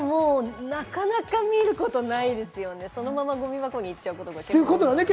なかなか見ることないですよね、そのままごみ箱に行っちゃうこともあります。